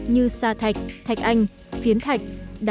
như sa thạch thạch anh phiến thạch thạch đá